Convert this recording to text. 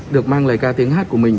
được mang lời ca tiếng hát của mình